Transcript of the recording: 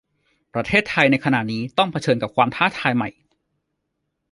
ประเทศไทยในขณะนี้ต้องเผชิญกับความท้าทายใหม่